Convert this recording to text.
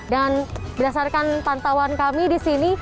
dan berdasarkan pantauan kami di sini